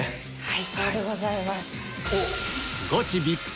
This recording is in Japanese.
はい！